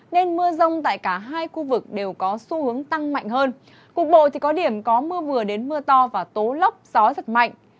nên mưa rông tại cả hai khu vực đều có xu hướng tăng mạnh hơn cục bộ thì có điểm có mưa vừa đến mưa to và tố lốc gió giật mạnh